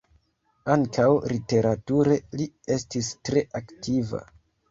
Ankaŭ literature li estis tre aktiva.